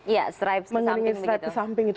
ya stripes ke samping begitu